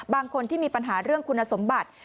บางคนที่มีปัญหาเรื่องคุณสมบัติ